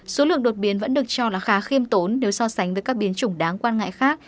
số lượng đột biến vẫn được cho là khá khiêm tốn nếu so sánh với các biến chủng đáng quan ngại khác